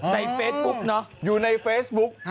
ในเฟซบุ๊กอยู่ในเฟซบุ๊ก